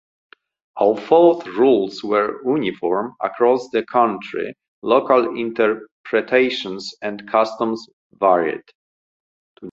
Although rules were uniform across the country, local interpretations and customs varied.